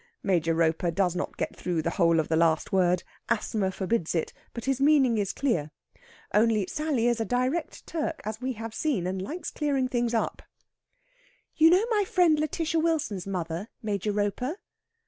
Major Roper does not get through the whole of the last word asthma forbids it but his meaning is clear. Only, Sally is a direct Turk, as we have seen, and likes clearing up things. "You know my friend Lætitia Wilson's mother, Major Roper?"